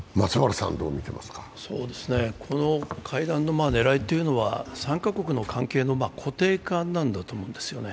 この会談の狙いというのは、３か国の関係の固定化だと思うんですね。